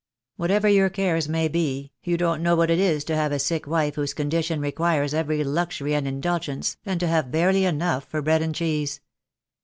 What ever your cares may be, you don't know what it is to have a sick wife whose condition requires every luxury and indulgence, and to have barelv enough for bread and cheese.